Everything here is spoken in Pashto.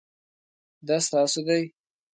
دا ستاسو دی؟